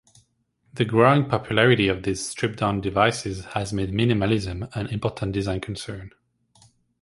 The growing popularity of these stripped-down devices has made minimalism an important design concern.